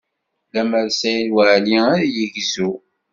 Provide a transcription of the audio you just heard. Lemmer d Saɛid Waɛli, ad yegzu.